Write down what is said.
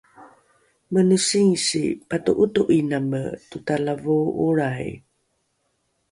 mene singsi pato’oto’iname totalavoo’olrai